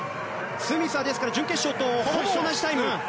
スミスは準決勝とほぼ同じタイム。